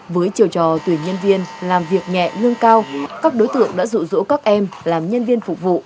với chiều trò tuyển nhân viên làm việc nhẹ lương cao các đối tượng đã rụ rỗ các em làm nhân viên phục vụ